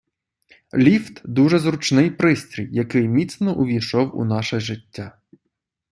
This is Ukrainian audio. Ліфт - дуже зручний пристрій, який міцно увійшов у наше життя.